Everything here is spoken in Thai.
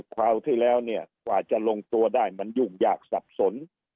คราวที่แล้วเนี่ยกว่าจะลงตัวได้มันยุ่งยากสับสน